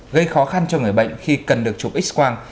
gây khó khăn cho người bệnh khi cần được chụp x quang